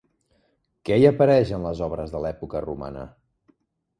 Què hi apareix en les obres de l'època romana?